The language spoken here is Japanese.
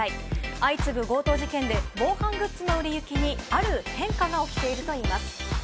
相次ぐ強盗事件で、防犯グッズの売れ行きにある変化が起きているといいます。